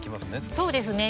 そうですね